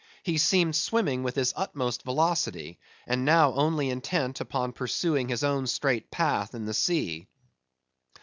He seemed swimming with his utmost velocity, and now only intent upon pursuing his own straight path in the sea.